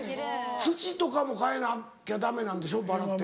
土とかも変えなきゃダメなんでしょバラって。